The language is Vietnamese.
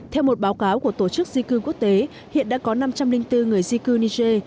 theo một báo cáo của tổ chức di cư quốc tế hiện đã có năm trăm linh bốn người di cư niger